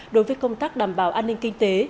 đối với công tác đảm bảo an ninh kinh tế